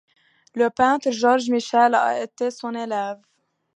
Le peintre Georges Michel a été son élève.